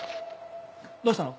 どうしたの？